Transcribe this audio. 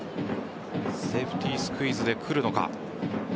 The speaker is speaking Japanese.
セーフティースクイズで来るのか。